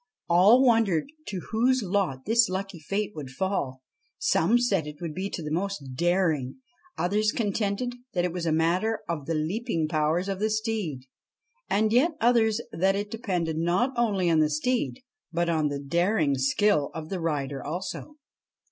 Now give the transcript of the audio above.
All wondered to whose lot this lucky fate would fall. Some said it would be to the most daring, others contended that it was a matter of the leaping powers of the steed, and yet others that it depended not only on the steed but on the daring skill of the rider also.